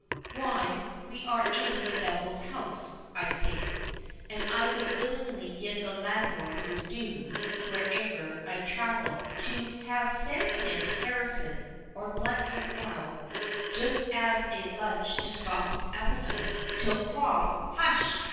"Why, we are in the Devil's house, I think, and I would willingly give the landlord his due wherever I travel. To have sent him Harrison, or Bletson now, just as a lunch to stop his appetite, till Crom"— "Hush!